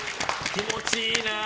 気持ちいいな。